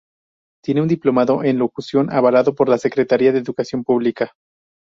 Tiene un diplomado en locución avalado por la Secretaría de Educación Pública.